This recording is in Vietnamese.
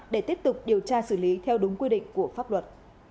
để tiếp tục điều tra xử lý theo đúng quy định của pháp luật